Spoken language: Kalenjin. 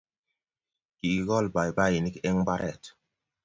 Kikikol paipainik eng' mbaret